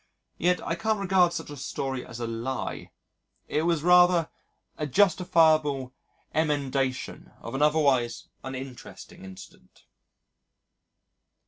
Yet I can't regard such a story as a lie it was rather a justifiable emendation of an otherwise uninteresting incident.